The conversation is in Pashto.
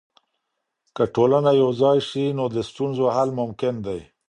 که ټولنه یوځای سي، نو د ستونزو حل ممکن دی.